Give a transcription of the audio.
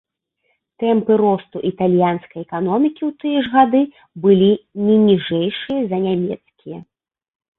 Тэмпы росту італьянскай эканомікі ў тыя ж гады былі не ніжэйшыя за нямецкія.